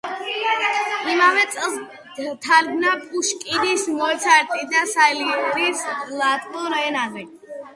იმავე წელს თარგმნა პუშკინის „მოცარტი და სალიერი“ ლატვიურ ენაზე.